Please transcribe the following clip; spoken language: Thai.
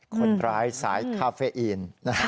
คนร้ายสายคาเฟ่อีน